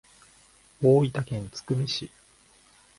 大分県津久見市